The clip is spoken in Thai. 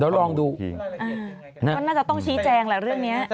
ก็น่าจะต้องชี้แจงล่ะเรื่องนี้